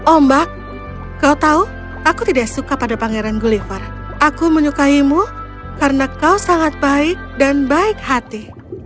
ombak kau tahu aku tidak suka pada pangeran gulliver aku menyukaimu karena kau sangat baik dan baik hati